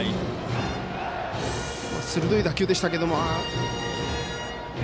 鋭い打球でしたが。